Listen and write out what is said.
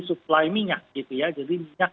supply minyak gitu ya jadi minyak